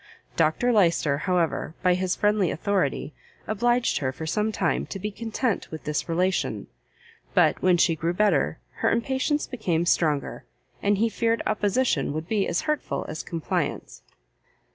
Dr Lyster, however, by his friendly authority, obliged her for some time to be content with this relation; but when she grew better, her impatience became stronger, and he feared opposition would be as hurtful as compliance.